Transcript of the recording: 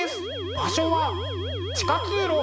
場所は地下通路。